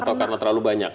atau karena terlalu banyak